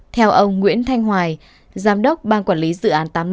theo ông nguyễn thanh hoài giám đốc ban quản lý dự án tám mươi năm